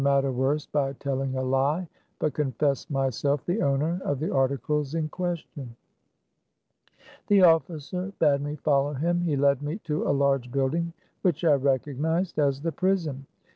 145 matter worse by telling a lie, but confessed my self the owner of the articles in question. The officer bade me follow him. He led me to a large building which I recognized as the prison.